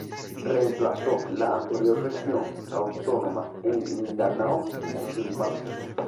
Reemplazó la anterior Región Autónoma en Mindanao Musulmán.